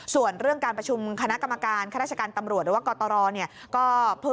ส่วนเรื่องการประชุมคณะกรรมการข้าราชการตำรวจหรือว่ากตรเนี่ย